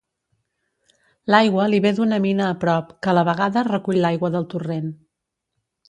L'aigua li ve d'una mina a prop, que a la vegada recull l'aigua del torrent.